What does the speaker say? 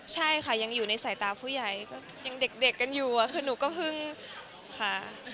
ใช่ค่ะยังอยู่ในสายตาผู้ใหญ่ก็ยังเด็กกันอยู่คือหนูก็พึ่งค่ะ